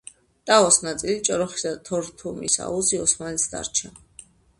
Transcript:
ტაოს ნაწილი, ჭოროხისა და თორთუმის აუზი ოსმალეთს დარჩა.